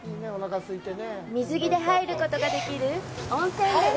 水着で入ることができる温泉です。